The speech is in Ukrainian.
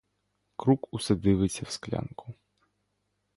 Крук усе дивиться в склянку.